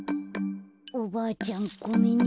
おばあちゃんごめんね。